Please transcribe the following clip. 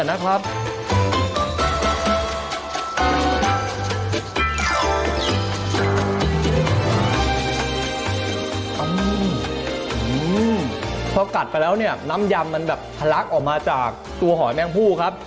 เมื่อกัดไปแล้วน้ำยำมันคลักออกมาจากตัวหอยแมงผู้ครับ